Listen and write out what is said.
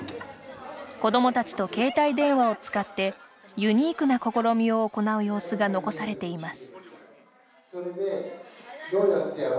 子どもたちと携帯電話を使ってユニークな試みを行う様子が残されています。